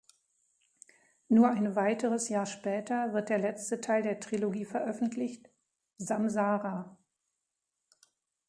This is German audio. Nur ein weiteres Jahr später wird der letzte Teil der Trilogie veröffentlicht: "Samsara".